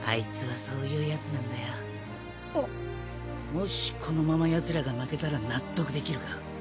もしこのままヤツらが負けたら納得できるか？